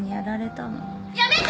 やめて。